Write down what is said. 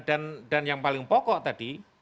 dan yang paling pokok tadi